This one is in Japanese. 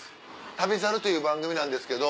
『旅猿』という番組なんですけど。